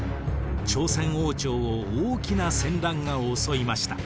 朝鮮王朝を大きな戦乱が襲いました。